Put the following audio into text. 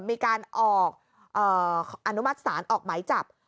มีการออกอนุมัติศาลออกหมายจับ